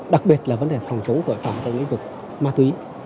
đặc biệt là vấn đề phòng chống tội phạm trong lĩnh vực ma túy